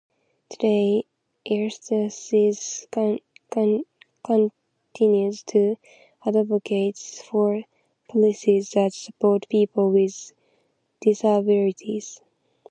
Today, Easterseals continues to advocate for policies that support people with disabilities.